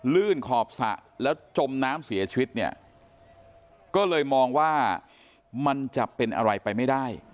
ลื่นขอบสระแล้วจมน้ำเสียชีวิตเนี่ยก็เลยมองว่ามันจะเป็นอะไรไปไม่ได้